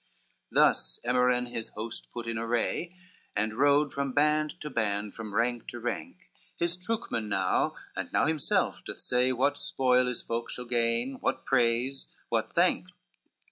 XXIV Thus Emiren his host put in array, And rode from band to band, from rank to rank, His truchmen now, and now himself, doth say, What spoil his folk shall gain, what praise, what thank.